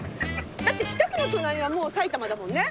だって北区の隣はもう埼玉だもんね。